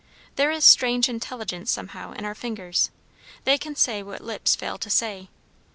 There is strange intelligence, somehow, in our fingers. They can say what lips fail to say.